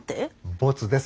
ボツです。